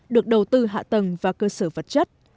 được đầu tư hạ tầng và cơ sở vật chất